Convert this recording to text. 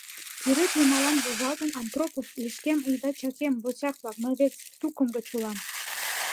Сӱрет йымалан возалтын: «Антропов «Лишкем ида чакем, босяк-влак, мый вес тукым гыч улам!»